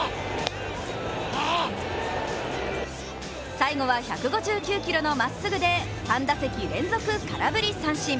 最後は１５９キロのまっすぐで３打席連続空振り三振。